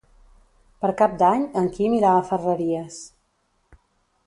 Per Cap d'Any en Quim irà a Ferreries.